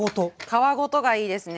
皮ごとがいいですね。